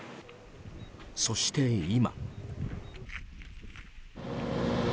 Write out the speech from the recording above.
そして、今。